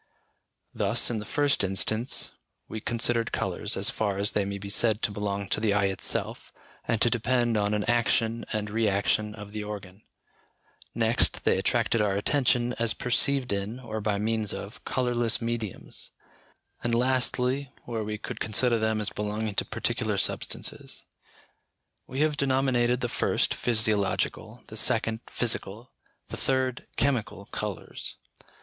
Thus, in the first instance, we considered colours, as far as they may be said to belong to the eye itself, and to depend on an action and re action of the organ; next, they attracted our attention as perceived in, or by means of, colourless mediums; and lastly, where we could consider them as belonging to particular substances. We have denominated the first, physiological, the second, physical, the third, chemical colours.